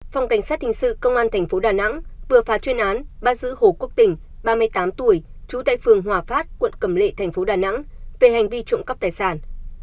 phòng cảnh sát hình sự công an tp đà nẵng vừa phá chuyên án bắt giữ hồ quốc tỉnh ba mươi tám tuổi trú tại phường hòa phát quận cầm lệ thành phố đà nẵng về hành vi trộm cắp tài sản